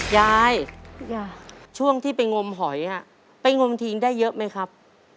ยายช่วงที่ไปงมหอยไปงมทิ้งได้เยอะไหมครับ